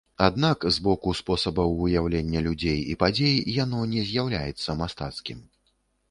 Аднак з боку спосабаў выяўлення людзей і падзей яно не з'яўляецца мастацкім.